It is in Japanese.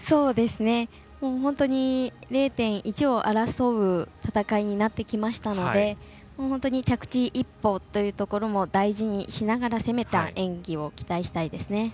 本当に０．１を争う戦いになってきましたので本当に着地１歩というところも大事にしながら攻めた演技を期待したいですね。